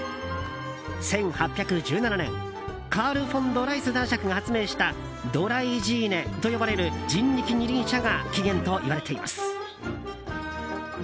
１８１７年、カール・フォン・ドライス男爵が発明したドライジーネと呼ばれる人力二輪車が起源といわれています。